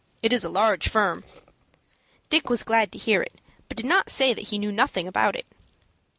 It is a large firm." Dick was glad to hear it, but did not say that he knew nothing about it.